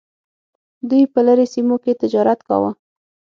دوی په لرې سیمو کې تجارت کاوه.